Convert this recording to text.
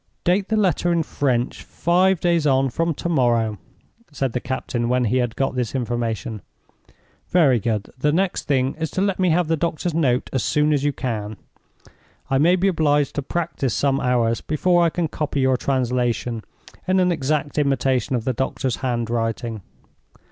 "Date the letter in French five days on from to morrow," said the captain, when he had got his information. "Very good. The next thing is to let me have the doctor's note as soon as you can. I may be obliged to practice some hours before I can copy your translation in an exact imitation of the doctor's handwriting.